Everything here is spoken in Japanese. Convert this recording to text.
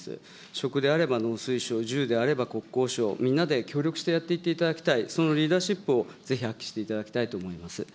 食であれば農水省、住であれば国交省、みんなで協力してやっていっていただきたい、そのリーダーシップをぜひ発揮していただきたいと思います。